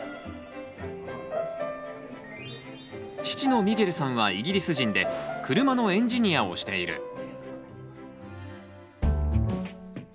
父のミゲルさんはイギリス人で車のエンジニアをしている。